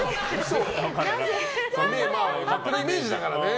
勝手なイメージだからね。